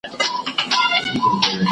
تاسي تل د خپلي روغتیا پالنه کوئ.